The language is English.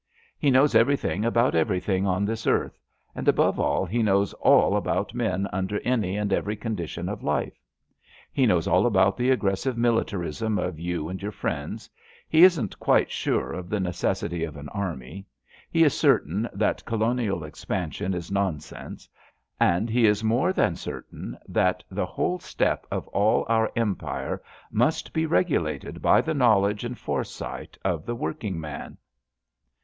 He knows everything about everything on this earth, and above all he kaows all about men under any and every condition of life. He knows all about the aggressive militarism of you and your friends; he isn't quite sure of the newssity of an army; he is certain that colonial expansion is nonsense; and he is more than certain that the whole step of all our Empiro must be regulated by the knowledge and foresight of the workingman.